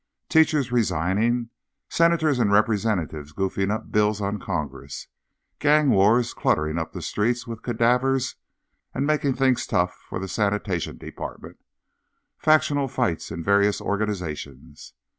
Teachers resigning, senators and representatives goofing up bills on Congress, gang wars cluttering up the streets with cadavers and making things tough for the Sanitation Department, factional fights in various organizations.